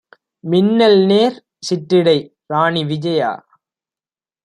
மின்னல்நேர் சிற்றிடை ராணி விஜயா